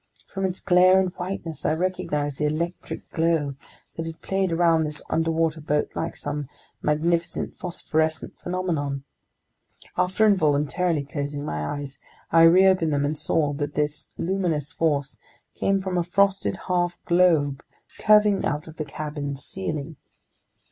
From its glare and whiteness, I recognized the electric glow that had played around this underwater boat like some magnificent phosphorescent phenomenon. After involuntarily closing my eyes, I reopened them and saw that this luminous force came from a frosted half globe curving out of the cabin's ceiling.